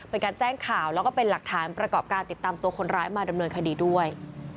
เป็นการแจ้งข่าวแล้วก็เป็นหลักฐานประกอบการติดตามตัวคนร้ายมาดำเนินคดีด้วย